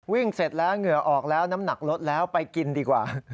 เสร็จแล้วเหงื่อออกแล้วน้ำหนักลดแล้วไปกินดีกว่า